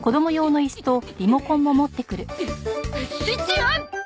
スイッチオン！